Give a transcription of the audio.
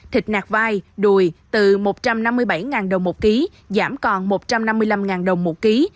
thịt nạc vai đùi từ một trăm năm mươi bảy đồng một ký giảm còn một trăm năm mươi năm đồng một ký